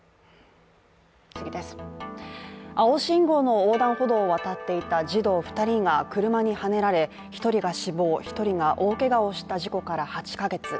青信号の横断歩道を渡っていた児童２人が車にはねられ１人が死亡、１人が大けがをした事故から８か月。